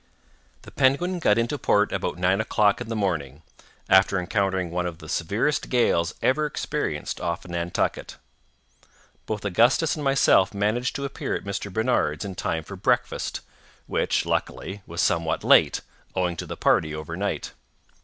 The Penguin got into port about nine o'clock in the morning, after encountering one of the severest gales ever experienced off Nantucket. Both Augustus and myself managed to appear at Mr. Barnard's in time for breakfast—which, luckily, was somewhat late, owing to the party over night.